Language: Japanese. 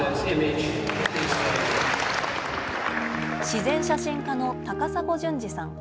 自然写真家の高砂淳二さん。